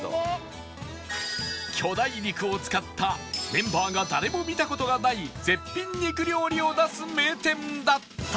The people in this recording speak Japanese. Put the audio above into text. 巨大肉を使ったメンバーが誰も見た事がない絶品肉料理を出す名店だった！